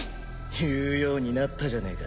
言うようになったじゃねえか。